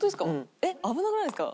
えっ危なくないですか？